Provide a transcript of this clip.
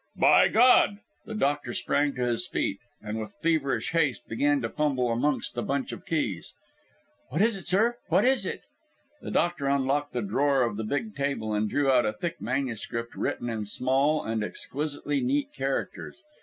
"By God!" The doctor sprang to his feet, and with feverish haste began to fumble amongst a bunch of keys. "What is it, sir! What is it?" The doctor unlocked the drawer of the big table, and drew out a thick manuscript written in small and exquisitely neat characters.